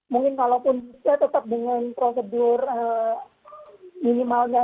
mungkin kalau pun bisa tetap dengan prosedur minimalnya